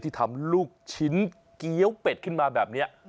ที่ทำลูกชิ้นเกี้ยวเป็ดขึ้นมาแบบนี้